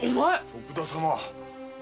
徳田様。